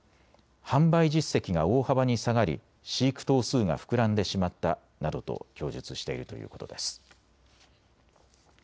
販売実績が大幅に下がり飼育頭数が膨らんでしまったなどと供述しているということです。